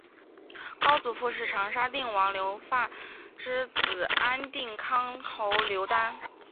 高祖父是长沙定王刘发之子安众康侯刘丹。